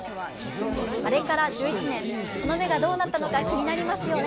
あれから１１年、その芽がどうなったか気になりますよね。